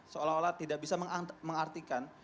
seolah olah tidak bisa mengartikan